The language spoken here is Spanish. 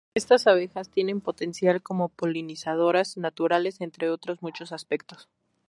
Estas abejas tienen potencial como polinizadores naturales entre otros muchos aspectos.